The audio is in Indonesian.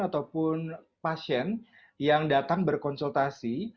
ataupun pasien yang datang berkonsultasi